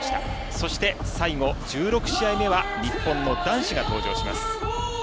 そして、最後、１６試合目は日本の男子が登場します。